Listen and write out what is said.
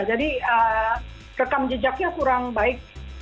jadi rekam jejaknya kurang baik